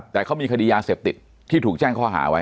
แต่เขามีคดียาเสพติดที่ถูกแจ้งข้อหาไว้